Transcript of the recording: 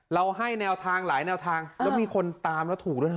ให้แนวทางหลายแนวทางแล้วมีคนตามแล้วถูกด้วยนะ